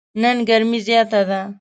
نن ګرمي زیاته ده.